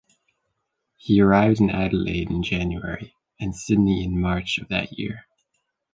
He arrived in Adelaide in January, and Sydney in March of that year.